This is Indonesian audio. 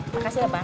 makasih ya bang